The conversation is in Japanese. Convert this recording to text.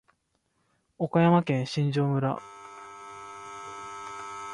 岡山県新庄村